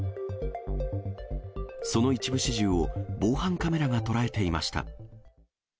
その一部始終を防犯カメラが捉えていました。